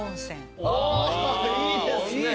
あいいですね。